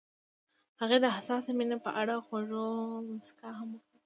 هغې د حساس مینه په اړه خوږه موسکا هم وکړه.